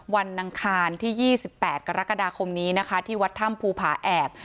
วันอังคารที่๒๘กรกฎาคมนี้นะคะที่วัดถ้ำภูผาแอบ